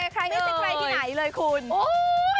ใครเลยไม่เสียใครที่ไหนเลยคุณโอ้ย